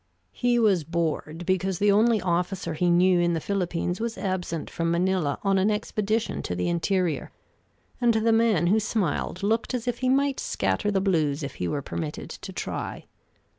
He was bored because the only officer he knew in the Philippines was absent from Manila on an expedition to the interior; and the man who smiled looked as if he might scatter the blues if he were permitted to try.